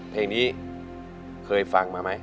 เพลงนี้เคยฟังมาไหม